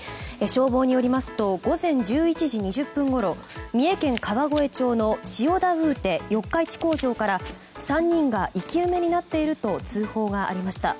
消防によりますと午前１１時２０分ごろ三重県川越町のチヨダウーテ四日市工場から３人が生き埋めになっていると通報がありました。